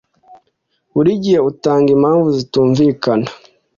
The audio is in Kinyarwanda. buri gihe utanga impamvu zitumvikana